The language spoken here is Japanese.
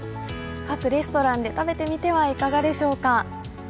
各レストランで食べてみてはいかがでしょうか？